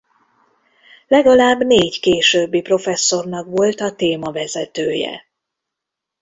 Legalább négy későbbi professzornak volt a témavezetője.